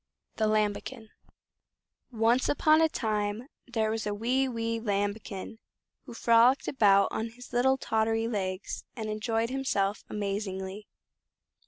The Lambikin Once upon a time there was a wee wee Lambikin, who frolicked about on his little tottery legs, and enjoyed himself amazingly.